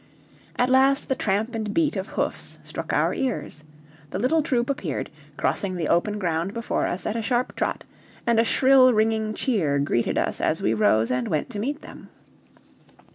At last the tramp and beat of hoofs struck our ears; the little troop appeared, crossing the open ground before us at a sharp trot, and a shrill ringing cheer greeted us as we rose and went to meet them.